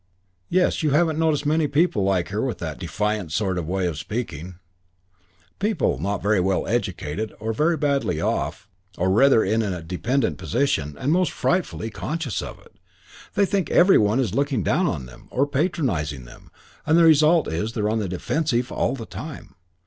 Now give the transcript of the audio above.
"Yes, haven't you noticed many people like her with that defiant sort of way of speaking people not very well educated, or very badly off, or in rather a dependent position, and most frightfully conscious of it. They think every one is looking down on them, or patronising them, and the result is they're on the defensive all the time.